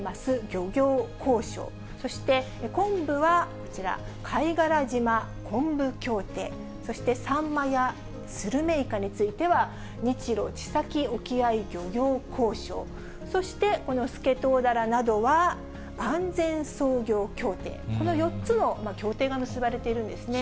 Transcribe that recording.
漁業交渉、そして、昆布は、こちら、貝殻島昆布協定、そしてサンマやスルメイカについては、日ロ地先沖合漁業交渉、そして、このスケトウダラなどは、安全操業協定、この４つの協定が結ばれているんですね。